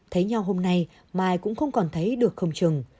thấy nhau hôm nay mai cũng không còn thấy được không chừng